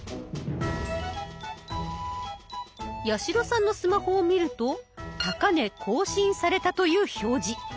八代さんのスマホを見ると高値更新されたという表示。